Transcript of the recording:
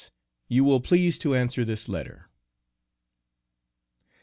You will please to answer this letter.